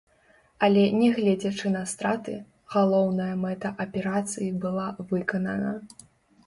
Але не гледзячы на страты, галоўная мэта аперацыі была выканана.